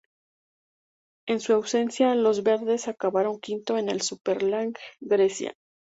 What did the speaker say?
En su ausencia, los "Verdes" acabaron quinto en el Superleague Grecia.